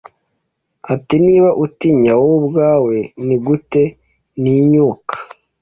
Ati Niba utinya wowe ubwawe nigute ntinyuka